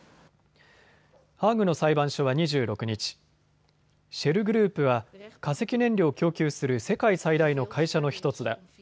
ハーグの裁判所は２６日、シェルグループは化石燃料を供給する世界最大の会社の１つだ。